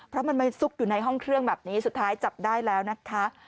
เพราะมันไปซุกอยู่ในห้องเครื่องแบบนี้สุดท้ายจับได้แล้วนะคะ